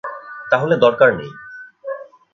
তাহলে দরকার নেই।